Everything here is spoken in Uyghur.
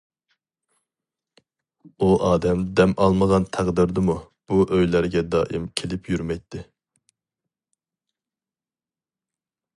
ئۇ ئادەم دەم ئالمىغان تەقدىردىمۇ، بۇ ئۆيلەرگە دائىم كېلىپ يۈرمەيتتى.